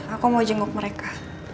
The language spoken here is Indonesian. aku mau jenguk mereka